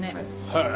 はい。